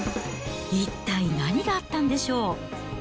一体何があったんでしょう？